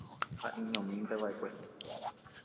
Ha'eñomínteva'ekue.